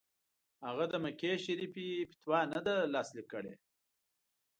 هغه د مکې شریف فتوا نه ده لاسلیک کړې.